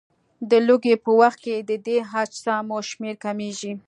د لوږې په وخت کې د دې اجسامو شمېر کمیږي.